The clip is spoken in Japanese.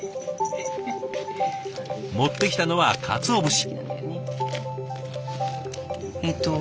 持ってきたのはかつお節。